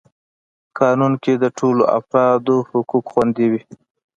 قانون کي د ټولو افرادو حقوق خوندي وي.